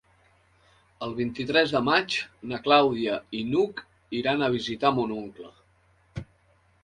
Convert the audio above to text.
El vint-i-tres de maig na Clàudia i n'Hug iran a visitar mon oncle.